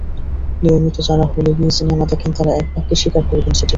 নিয়মিত যারা হলে গিয়ে সিনেমা দেখেন, তারা একবাক্যে স্বীকার করবেন সেটি।